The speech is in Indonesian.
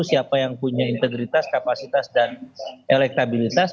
siapa yang punya integritas kapasitas dan elektabilitas